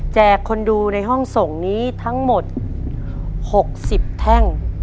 คนดูในห้องส่งนี้ทั้งหมด๖๐แท่ง